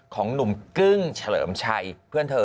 ของหนุ่มกึ้งเฉลิมชัยเพื่อนเธอ